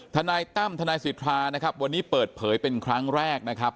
ทนายตั้มทนายสิทธานะครับวันนี้เปิดเผยเป็นครั้งแรกนะครับ